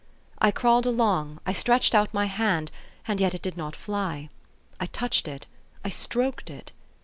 I crawled along ; I stretched out my hand : and yet it did not fly. I touched it I stroked it.